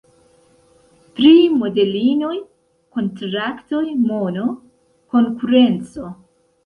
Pri modelinoj, kontraktoj, mono, konkurenco.